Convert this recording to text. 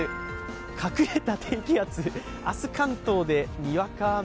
隠れた低気圧、明日関東でにわか雨。